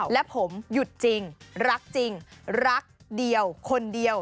และผมหยุดจริงรักจริงรักเดียวคนเดียว